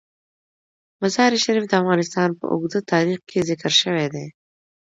مزارشریف د افغانستان په اوږده تاریخ کې ذکر شوی دی.